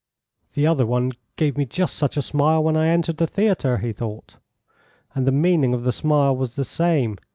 "The other one gave me just such a smile when I entered the theatre," he thought, "and the meaning of the smile was the same.